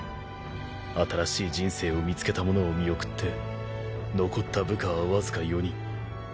新しい人生を見つけた者を見送って残った部下はわずか４人。